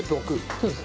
そうです。